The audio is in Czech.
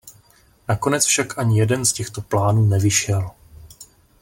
Nakonec však ani jeden z těchto plánů nevyšel.